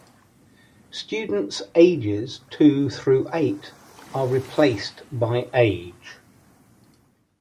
Students ages two through eight are placed by age.